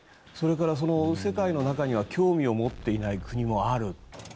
それから世界の中には興味を持っていない国もある。